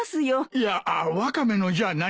いやワカメのじゃないんだ。